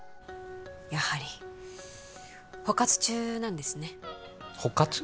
やはり保活中なんですねホカツ？